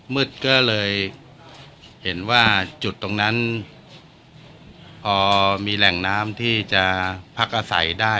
มืดก็เลยเห็นว่าจุดตรงนั้นพอมีแหล่งน้ำที่จะพักอาศัยได้